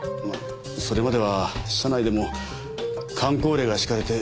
それまでは社内でも箝口令が敷かれて。